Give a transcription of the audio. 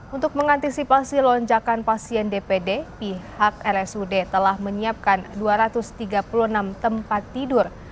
untuk mengantisipasi lonjakan pasien dpd pihak rsud telah menyiapkan dua ratus tiga puluh enam tempat tidur